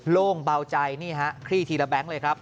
โล่งเบาใจคลีทีละแบงค์เลยครับ